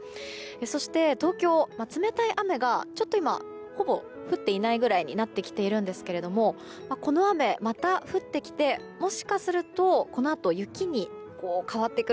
そして東京、冷たい雨がちょっと今ほぼ降っていないぐらいになってきているんですけれどもこの雨また降ってきてもしかすると、このあと雪に変わってくる。